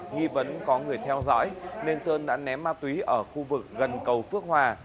nghi vấn có người theo dõi nên sơn đã ném ma túy ở khu vực gần cầu phước hòa